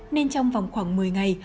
nên trong vòng khoảng một mươi ngày